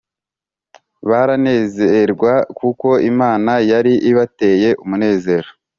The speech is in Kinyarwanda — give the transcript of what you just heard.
baranezerwa kuko Imana yari ibateye umunezero